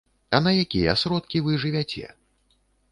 А на якія сродкі вы жывяце?